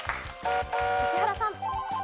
石原さん。